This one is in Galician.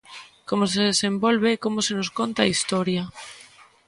Como se desenvolve e como se nos conta a historia.